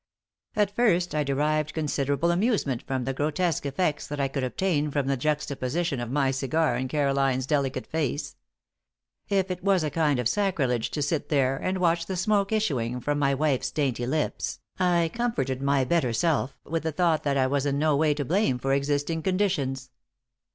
At first I derived considerable amusement from the grotesque effects that I could obtain from the juxtaposition of my cigar and Caroline's delicate face. If it was a kind of sacrilege to sit there and watch the smoke issuing from my wife's dainty lips, I comforted my better self with the thought that I was in no way to blame for existing conditions.